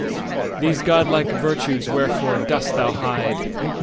20 These godlike virtues wherefore dost thou hide?